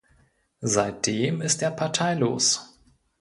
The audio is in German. Seitdem ist er parteilos.